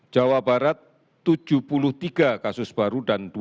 jawa barat melaporkan tujuh puluh tiga kasus baru dan tujuh puluh lima sembuh